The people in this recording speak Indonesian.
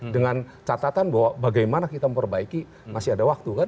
dengan catatan bahwa bagaimana kita memperbaiki masih ada waktu kan